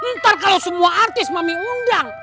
ntar kalau semua artis mau undang